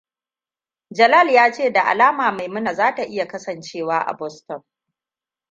Jalal ya ce da alama Maimuna zai iya kasancewa a Boston.